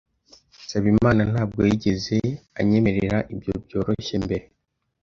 Nsabimana ntabwo yigeze anyemerera ibyo byoroshye mbere.